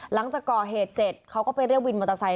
หลังจากก่อเหตุเสร็จเขาก็ไปเรียกวินมอเตอร์ไซค